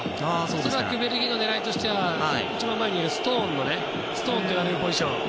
恐らくベルギーの狙いとしては一番前にいるストーンといわれるポジション。